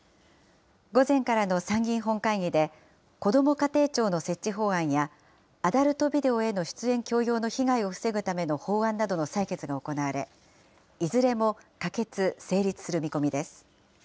午前からの参議院本会議で、こども家庭庁の設置法案や、アダルトビデオへの出演強要の被害を防ぐための法案などの採決が行われ、いずれも可決・成立する見込みです。